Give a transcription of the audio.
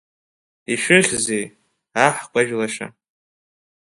Ишәыхьзеи, аҳкәажә лаша?